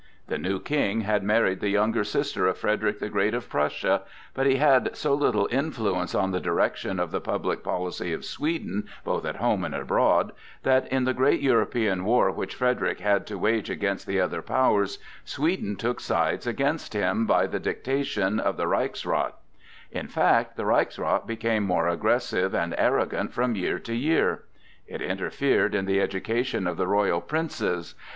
The new King had married the younger sister of Frederick the Great of Prussia, but he had so little influence on the direction of the public policy of Sweden, both at home and abroad, that in the great European war which Frederick had to wage against the other powers, Sweden took sides against him by the dictation of the Reichsrath. In fact, the Reichsrath became more aggressive and arrogant from year to year. It interfered in the education of the royal princes.